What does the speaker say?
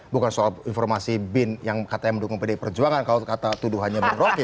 bukan soal informasi bin yang kata yang mendukung pd perjuangan kalau kata tuduhannya berroki